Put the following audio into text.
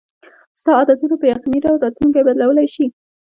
ستا عادتونه په یقیني ډول راتلونکی بدلولی شي.